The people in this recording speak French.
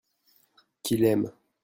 qu'il aime.